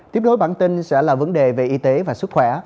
tiếp đối bản tin sẽ là vấn đề về y tế và sức khỏe